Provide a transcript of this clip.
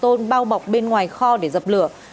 tôn bao bọc bên ngoài kho để dập lửa